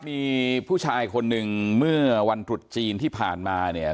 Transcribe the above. มีผู้ชายคนหนึ่งเมื่อวันถุดจีนที่ผ่านมา